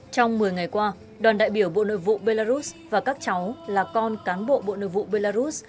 trong một mươi ngày qua đoàn đại biểu bộ nội vụ belarus và các cháu là con cán bộ bộ nội vụ belarus